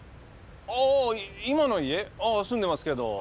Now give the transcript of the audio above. ああ今の家？ああ住んでますけど。